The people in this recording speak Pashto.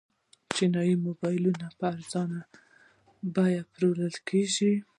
چینايي موبایلونه په ارزانه بیه پلورل کیږي.